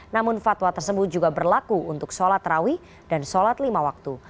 namun fatwa tersebut juga berlaku untuk sholat terawih dan sholat lima waktu